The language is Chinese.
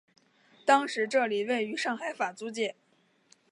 当时这里位于上海法租界。